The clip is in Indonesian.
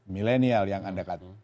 millenial yang anda kata